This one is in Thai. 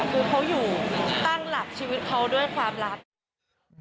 คือเขาอยู่ตั้งหลักชีวิตเขาด้วยความรัก